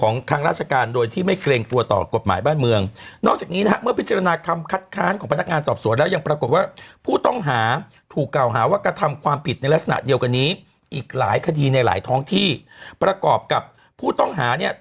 นี่เหรอครับเสื้อโปะหนีเนี่ยแหละวิ่งหนีบ้านเลยพี่กฤทธิ์ให้ดูอย่างนี้